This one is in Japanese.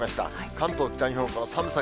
関東、北日本も寒さ